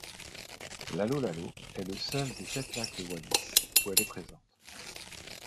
Lalolalo est le seul des sept lacs de Wallis où elle est présente.